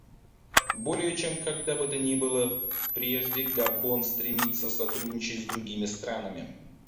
Более чем когда бы то ни было прежде Габон стремится сотрудничать с другими странами.